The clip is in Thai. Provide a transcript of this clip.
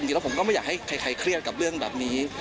จริงแล้วผมก็ไม่อยากให้ใครเครียดกับเรื่องแบบนี้